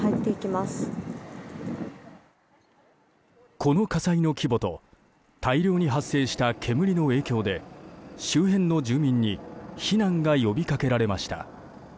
この火災の規模と大量に発生した煙の影響で周辺の住民に避難が呼びかけられました。